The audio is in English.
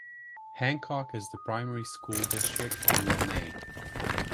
Hancock is the primary school district in Lemay.